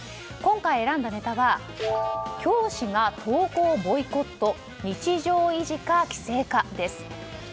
今回、選んだネタは教師が登校ボイコット日常維持か規制かです。